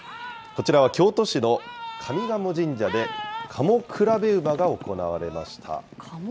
こちらは京都市の上賀茂神社で賀茂競馬が行われました。